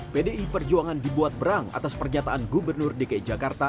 pdi perjuangan dibuat berang atas pernyataan gubernur dki jakarta